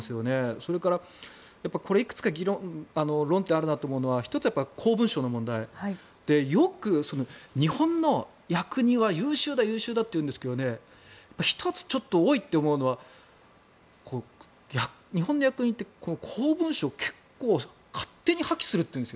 それからこれいくつか論点があるなと思うのは１つは公文書の問題でよく日本の役人は優秀だ優秀だというんですけど１つちょっと、おいと思うのは日本の役人って公文書を結構勝手に破棄するというんです。